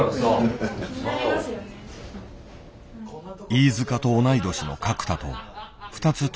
飯塚と同い年の角田と２つ年下の豊本。